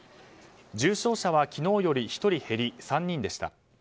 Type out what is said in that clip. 重症者は昨日より１人減り３人でした。